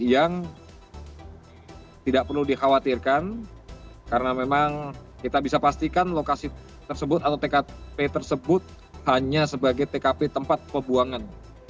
jadi memang tidak perlu dikhawatirkan karena memang kita bisa pastikan lokasi tersebut atau tkp tersebut hanya sebagai tkp tempat pebuangan